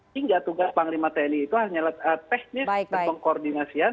sehingga tugas panglima tni itu hanya teknis dan pengkoordinasian